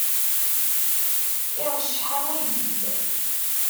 Iṛecceḥ am uyeddid.